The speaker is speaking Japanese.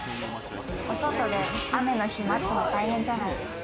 外で雨の日待つの、大変じゃないですか。